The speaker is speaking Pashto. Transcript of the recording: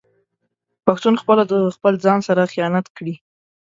پښتون خپله د خپل ځان سره خيانت کړي